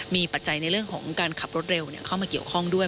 มีปัจจัยในเรื่องของการขับรถเร็วเข้ามาเกี่ยวข้องด้วย